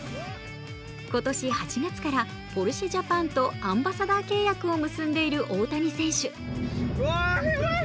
今年８月からポルシェジャパンとアンバサダー契約を結んでいる大谷選手。